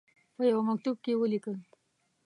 په یوه مکتوب کې ولیکل.